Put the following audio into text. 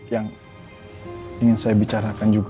yang ingin saya bicarakan juga